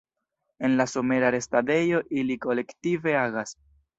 En la somera restadejo ili kolektive agas.